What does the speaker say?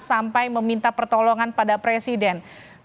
sampai meminta pertolongan pada presiden